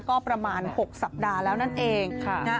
ก็ประมาณ๖สัปดาห์แล้วนั่นเอง